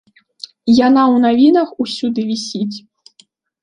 Яна ў навінах усюды вісіць.